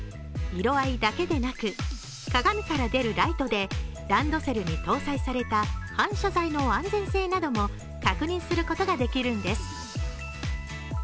色合いだけでなく、鏡から出るライトでランドセルに搭載された反射材の安全性なども確認することができるんです。